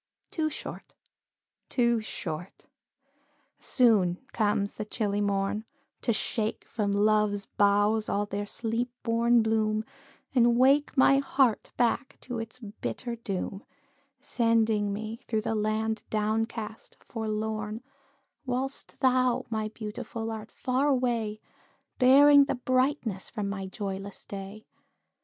Too short too short soon comes the chilly morn, To shake from love's boughs all their sleep born bloom, And wake my heart back to its bitter doom, Sending me through the land down cast, forlorn, Whilst thou, my Beautiful, art far away, Bearing the brightness from my joyless day.